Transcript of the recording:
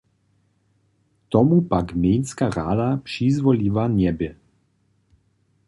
Tomu pak gmejnska rada přizwoliła njebě.